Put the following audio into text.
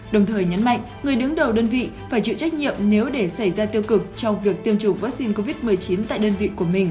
đồng thời nhấn mạnh người đứng đầu đơn vị phải chịu trách nhiệm nếu để xảy ra tiêu cực trong việc tiêm chủng vaccine covid một mươi chín tại đơn vị của mình